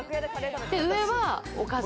上はおかず。